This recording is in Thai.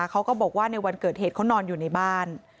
เขาก็บอกว่าในวันเกิดเหตุเขานอนอยู่ในบ้าน